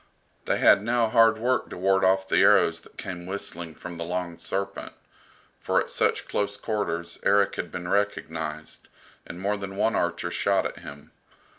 They had now hard work to ward off the arrows that came whistling from the "Long Serpent," for at such close quarters Erik had been recognized, and more than one archer shot at him.